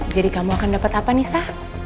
jadi kamu akan dapat apa nisa